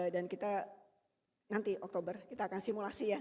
dan kita nanti oktober kita akan simulasi ya